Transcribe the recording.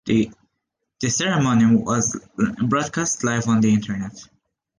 The ceremony was broadcast live on the Internet.